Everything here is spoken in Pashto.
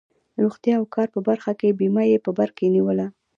روغتیا او کار په برخه کې بیمه یې په بر کې نیوله.